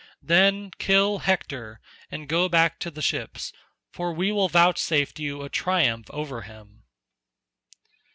Then kill Hector and go back to the ships, for we will vouchsafe you a triumph over him."